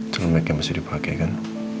celumeknya masih dipake kan